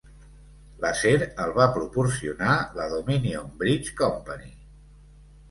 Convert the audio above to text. L'acer el va proporcionar la Dominion Bridge Company.